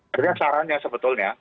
jadi sarannya sebetulnya